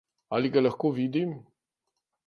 Ali ga lahko vidim?